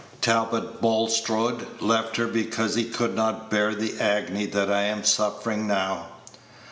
Talbot Bulstrode left her because he could not bear the agony that I am suffering now.